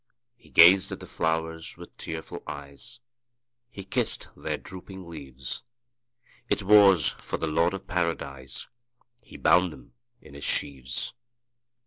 '' He gazed at the flowers with tearful eyes, He kissed their drooping leaves; It was for the Lord of Paradise He bound them in his sheaves.